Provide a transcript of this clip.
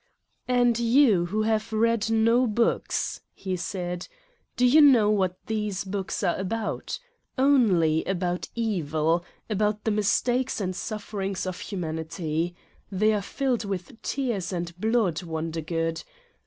"And you who have read no books," he said, "do you know what these books are about? Only about evil, about the mistakes and sufferings of 26 Satan's Diary humanity. They are filled with tears and blood, Wondergood.